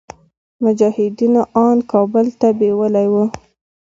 مجاهدينو ان کابل ته بيولي وو.